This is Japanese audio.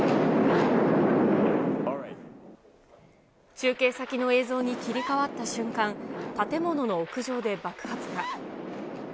中継先の映像に切り替わった瞬間、建物の屋上で爆発が。